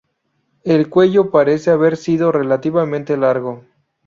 El cuello parece haber sido relativamente largo.